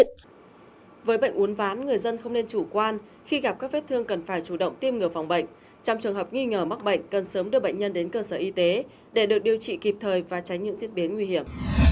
trong trường hợp nghi ngờ mắc bệnh cần sớm đưa bệnh nhân đến cơ sở y tế để được điều trị kịp thời và tránh những diễn biến nguy hiểm